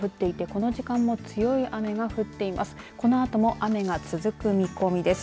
このあとも雨が続く見込みです。